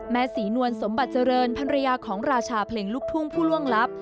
ศรีนวลสมบัติเจริญภรรยาของราชาเพลงลูกทุ่งผู้ล่วงลับ